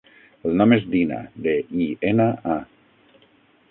El nom és Dina: de, i, ena, a.